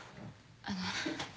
あの。